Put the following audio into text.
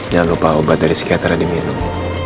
jangan lupa obat dari psikiaternya diminum